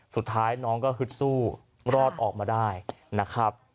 สุดท้ายน้องก็ฮึดสู้รอดออกมาได้นะครับ